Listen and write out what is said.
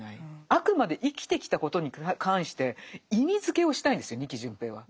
あくまで生きてきたことに関して意味づけをしたいんですよ仁木順平は。